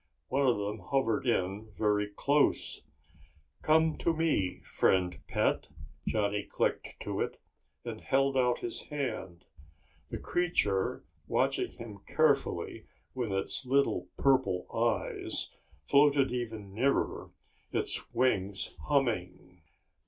One of them hovered in very close. "Come to me, friend pet," Johnny clicked to it, and held out his hand. The creature, watching him carefully with its little purple eyes, floated even nearer, its wings humming.